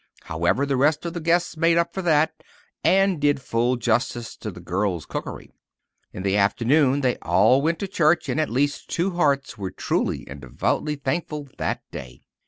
However, the rest of the guests made up for that, and did full justice to the girls' cookery. In the afternoon they all went to church, and at least two hearts were truly and devoutly thankful that day.